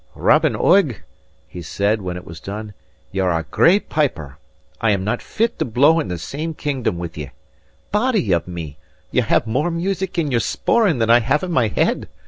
"Robin Oig," he said, when it was done, "ye are a great piper. I am not fit to blow in the same kingdom with ye. Body of me! ye have mair music in your sporran than I have in my head!